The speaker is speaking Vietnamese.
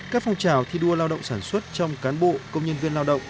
các phong trào thi đua lao động sản xuất trong cán bộ công nhân viên lao động